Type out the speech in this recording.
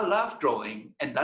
tapi itu tidak benar untuk anda